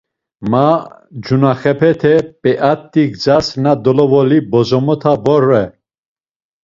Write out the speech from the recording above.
Ma cunaxepete, p̌eat̆i gzas na dolovoli bozomota vore.